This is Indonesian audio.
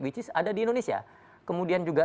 which is ada di indonesia kemudian juga